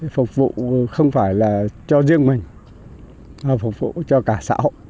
phục vụ không phải là cho riêng mình mà phục vụ cho cả xã hội